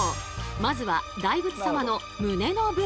まずは大仏様の胸の部分。